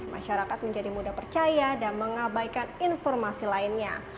masyarakat menjadi mudah percaya dan mengabaikan informasi lainnya